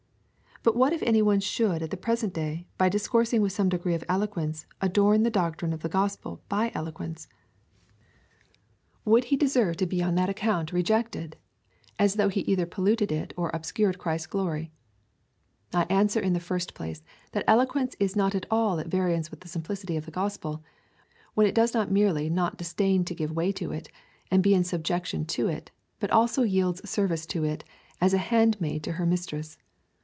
But what if any one should at the present day, by dis coursing with some degree of elegance, adorn the doctrine of the gospel by eloquence ? Would he deserve to be on that »" Les humbles ;"—«< The humble." CHAP. I. 17 FIRST EPISTLE TO THE CORINTHIANS. /7 account rejected, as though he either polhitedjt or obscured Christ's glory. I answer in the first place, that eloquence is not at all at variance with the simplicity of the gospel, when it does not merely not disdain to give Avay to it, and be in subjection to it, but also yields service to it, as a handmaid to her mistress.